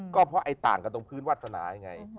ก็เพราะไอ้ต่างกันตรงพื้นวาสนายังไง